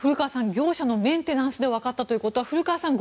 業者のメンテナンスで分かったということは古川さん